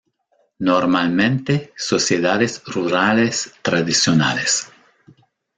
Normalmente sociedades rurales tradicionales.